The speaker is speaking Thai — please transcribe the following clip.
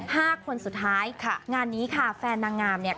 ห้าคนสุดท้ายค่ะงานนี้ค่ะแฟนนางงามเนี่ย